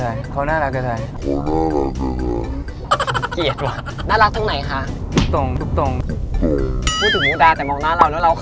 เห็นไหมเพลงเข้มก็ต้องหลงรัก